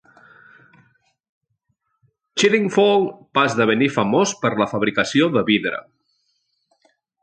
Chiddingfold va esdevenir famós per la fabricació de vidre.